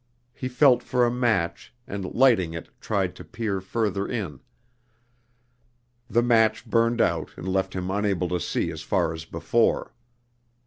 He felt for a match, and lighting it tried to peer further in. The match burned out and left him unable to see as far as before.